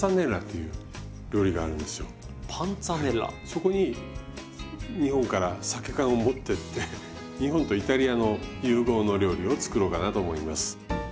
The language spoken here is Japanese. そこに日本からさけ缶を持ってって日本とイタリアの融合の料理を作ろうかなと思います。